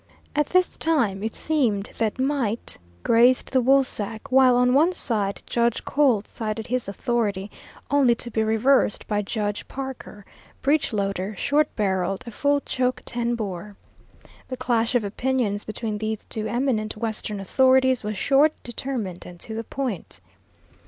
At this time it seemed that might graced the woolsack, while on one side Judge Colt cited his authority, only to be reversed by Judge Parker, breech loader, short barreled, a full choke ten bore. The clash of opinions between these two eminent western authorities was short, determined, and to the point.